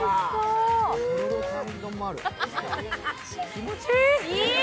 気持ちいい！